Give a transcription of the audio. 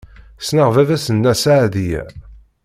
Ssneɣ baba-s n Nna Seɛdiya.